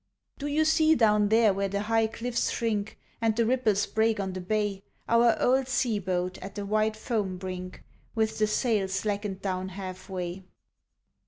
Do you see down there where the high cliffs shrink, And the ripples break on the bay, Our old sea boat at the white foam brink With the sail slackened down half way?